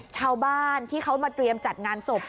ชาวบ้านที่เขามาเตรียมจัดงานศพ